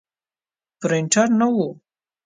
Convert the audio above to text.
پرنټر نه و.